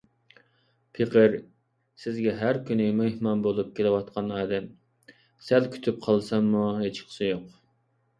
پېقىر سىزگە ھەر كۈنى مېھمان بولۇپ كېلىۋاتقان ئادەم، سەل كۈتۈپ قالساممۇ ھېچقىسى يوق.